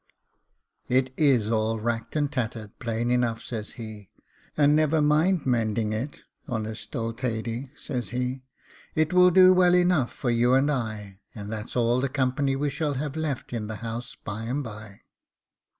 'It IS all racked and tattered, plain enough,' says he, 'and never mind mending it, honest old Thady,' says he; 'it will do well enough for you and I, and that's all the company we shall have left in the house by and by.